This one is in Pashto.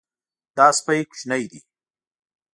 دا سپی کوچنی دی.